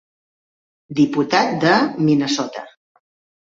Diputat de Minnesota.